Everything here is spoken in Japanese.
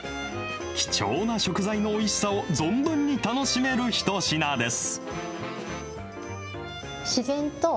貴重な食材のおいしさを存分に楽しめる一品です。